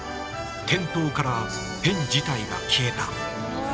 店頭からペン自体が消えた。